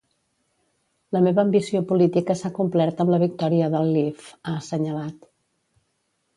La meva ambició política s’ha complert amb la victòria del Leave, ha assenyalat.